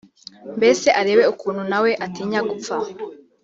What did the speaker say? mbese arebe ukuntu nawe atinya gupfa